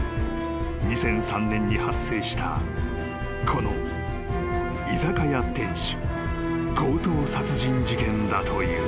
［２００３年に発生したこの居酒屋店主強盗殺人事件だという］